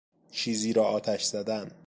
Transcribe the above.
چیزی را آتش زدن